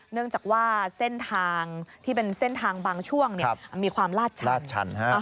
เนื่องจากว่าเส้นทางที่เป็นเส้นทางบางช่วงมีความลาดชันลาดชัน